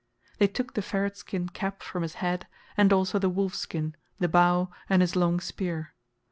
They took the ferret skin cap from his head, and also the wolf skin, the bow, and his long spear.